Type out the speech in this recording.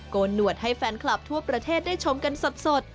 นหนวดให้แฟนคลับทั่วประเทศได้ชมกันสด